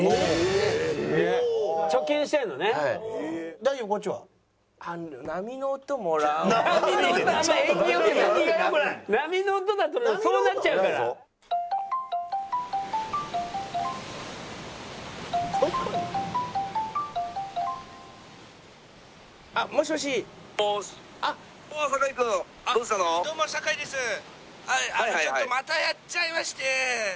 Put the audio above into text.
あのちょっとまたやっちゃいまして。